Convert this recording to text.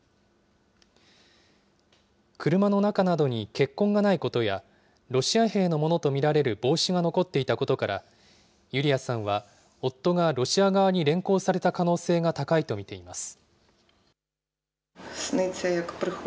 車の中などに血痕がないことや、ロシア兵のものと見られる帽子が残っていたことから、ユリアさんは夫がロシア側に連行された可能性が高いと見ています。